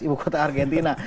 ibu kota argentina